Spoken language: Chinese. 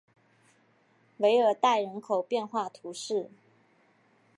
韦尔代人口变化图示